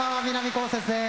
こうせつです。